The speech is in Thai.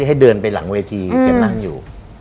ให้เดินไปหลังเวทีแกนั่งอยู่